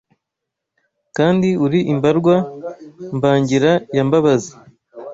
Kandi uri imbarwa Mbangira ya Mbabazi